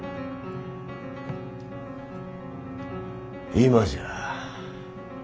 今じゃ。